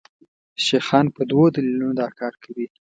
شیخان په دوو دلیلونو دا کار کوي.